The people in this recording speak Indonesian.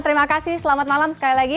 terima kasih selamat malam sekali lagi